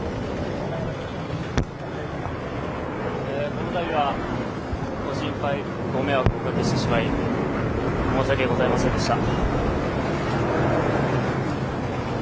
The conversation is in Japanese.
このたびは、ご心配、ご迷惑をおかけしてしまい申し訳ございませんでした。